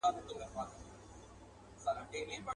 له ستړتیا یې خوږېدی په نس کي سږی.